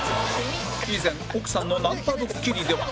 以前奥さんのナンパドッキリでは